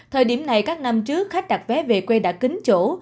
thời điểm này các năm trước khách đặt vé về quê đã kính chỗ